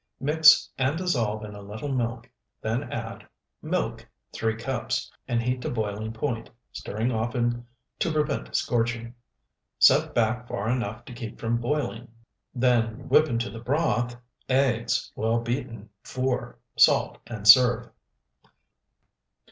Mix, and dissolve in a little milk, then add Milk, 3 cups and heat to boiling point, stirring often to prevent scorching; set back far enough to keep from boiling, then whip into the broth Eggs well beaten, 4. Salt, and serve.